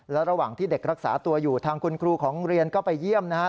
และระหว่างที่เด็กรักษาตัวอยู่ทางคุณครูของโรงเรียนก็ไปเยี่ยมนะครับ